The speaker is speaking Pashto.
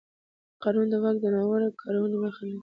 قانون د واک د ناوړه کارونې مخه نیسي.